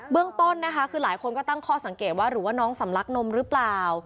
เรื่องต้นนะคะคือหลายคนก็ตั้งข้อสังเกตว่าหรือว่าน้องสำลักนมหรือเปล่า